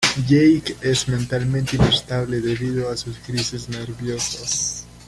Jake es mentalmente inestable debido a sus crisis nerviosas.